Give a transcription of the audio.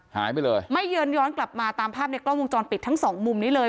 หายไปเลยไม่เยินย้อนกลับมาตามภาพในกล้องวงจรปิดทั้งสองมุมนี้เลย